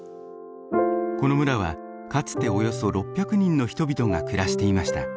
この村はかつておよそ６００人の人々が暮らしていました。